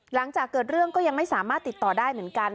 หลังจากเกิดเรื่องก็ยังไม่สามารถติดต่อได้เหมือนกัน